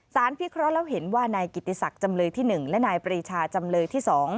พิเคราะห์แล้วเห็นว่านายกิติศักดิ์จำเลยที่๑และนายปรีชาจำเลยที่๒